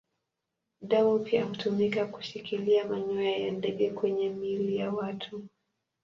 Damu pia hutumika kushikilia manyoya ya ndege kwenye miili ya watu.